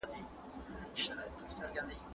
اقتصادي پرمختيا د ټولني لپاره خورا مهمه ده.